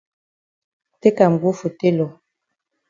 Take am go for tailor.